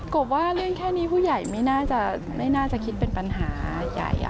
บว่าเรื่องแค่นี้ผู้ใหญ่ไม่น่าจะคิดเป็นปัญหาใหญ่